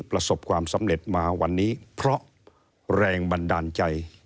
ประสบความสำเร็จมาวันนี้เพราะแรงบันดาลใจ